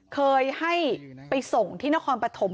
เคยให้ไปส่งที่นครปฐม